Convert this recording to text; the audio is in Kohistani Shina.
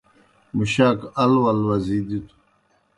مُشاک ال ول وزی دِتوْ۔